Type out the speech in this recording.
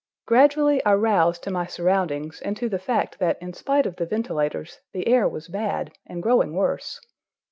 Gradually I roused to my surroundings, and to the fact that in spite of the ventilators, the air was bad and growing worse.